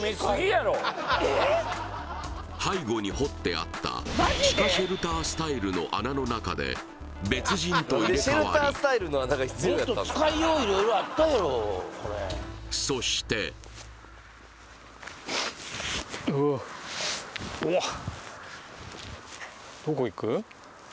背後に掘ってあった地下シェルタースタイルの穴の中で別人と入れ替わりそしておおっうわっ